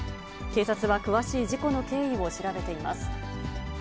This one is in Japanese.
警察は詳しい事故の経緯を調べています。